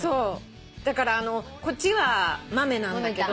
だからこっちは豆なんだけど。